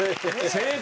正解！